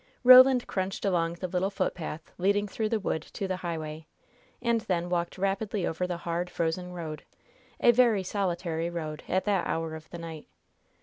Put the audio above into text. Roland crunched along the little footpath leading through the wood to the highway, and then walked rapidly over the hard, frozen road a very solitary road at that hour of the night.